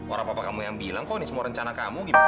orang papa kamu yang bilang kok ini semua rencana kamu gimana sih